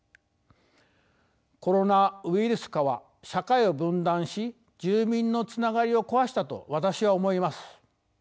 コロナウイルス禍は社会を分断し住民のつながりを壊したと私は思います。